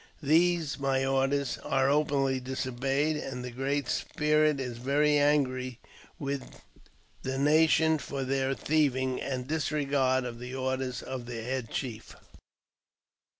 These, my orders, are openly disobeyed, and the Great Spirit is very angry with the nation for their thieving, and disregard of the orders of their head chief."